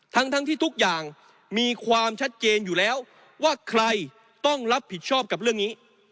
ทั้งที่ทุกอย่างมีความชัดเจนอยู่แล้วว่าใครต้องรับผิดชอบกับเรื่องนี้